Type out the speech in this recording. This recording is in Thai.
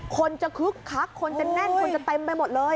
คนจะคึกคักคนจะแน่นคนจะเต็มไปหมดเลย